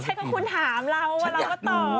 ใช่ก็คุณถามเราเราก็ตอบ